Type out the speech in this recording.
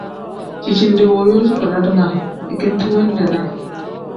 Dijinde wooyoozi kpina ringa ikendi wendeenaa.